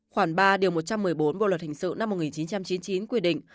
khoảng ba điều một trăm một mươi bốn bộ luật hình sự năm một nghìn chín trăm chín mươi chín quy định